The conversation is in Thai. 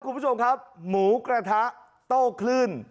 คุณผู้ชมครับหมูกระทะโต้คลื่น